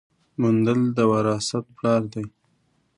مندل د وراثت پلار دی